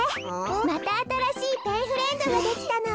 またあたらしいペンフレンドができたの。